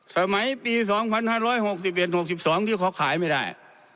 สมัยปีสองพันห้าร้อยหกสิบเอ็นหกสิบสองที่เขาขายไม่ได้